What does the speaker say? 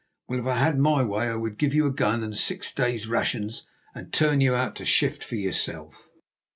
Well, if I had my way I would give you a gun and six days' rations, and turn you out to shift for yourself."